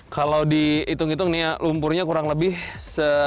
kalau dihitung hitung ini ya lumpurnya kurang lebih se